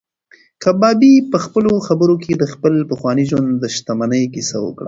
کبابي په خپلو خبرو کې د خپل پخواني ژوند د شتمنۍ کیسه وکړه.